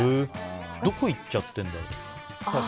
どこいっちゃってるんだろ？